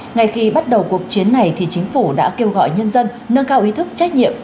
ngay khi bắt đầu cuộc chiến này thì chính phủ đã kêu gọi nhân dân nâng cao ý thức trách nhiệm